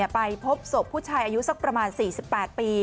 ไปพบศพผู้ชายอายุสักประมาณ๔๘ปี